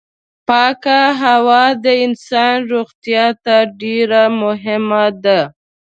پاکه هوا د انسان روغتيا ته ډېره مهمه ده.